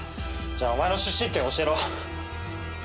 じゃあお前の出身県教えろ。